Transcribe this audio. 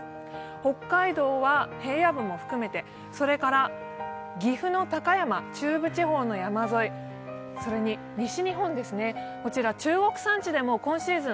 北海道は平野部も含めて、それから岐阜の高山、中部地方の山沿い、それに西日本は中国山地でも今シーズン